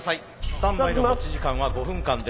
スタンバイの持ち時間は５分間です。